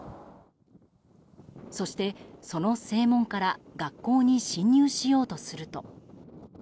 そして、その正門から学校に侵入しようとすると。